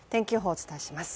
お伝えします。